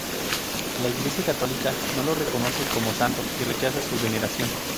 La Iglesia católica no lo reconoce como santo y rechaza su veneración.